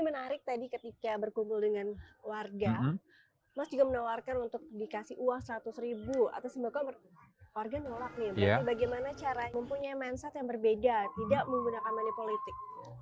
maka orangnya menolak nih bagaimana cara mempunyai mindset yang berbeda tidak menggunakan mani politik